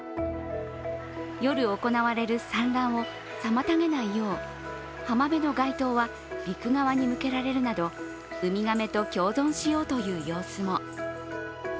夜、行われる産卵を妨げないよう、浜辺の街灯は陸側に向けられるなどウミガメと共存しようという様子も。